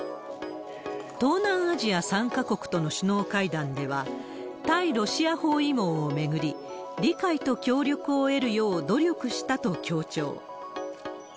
東南アジア３か国との首脳会談では、対ロシア包囲網を巡り、理解と協力を得るよう努力したと強調。